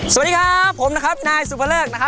ร้องได้ให้ล้านบนเวทีเลยค่ะ